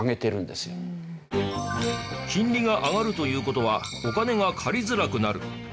金利が上がるという事はお金が借りづらくなる。